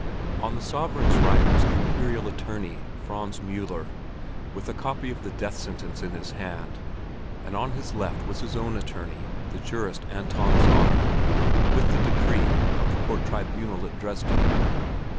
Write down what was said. On the sovereign's right was the Imperial attorney, Franz Müller, with a copy of the death sentence in his hand; on his left was his own attorney, the jurist Anton Zäuner, with the decree of the Court Tribunal at Dresden.